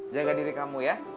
jaga diri kamu ya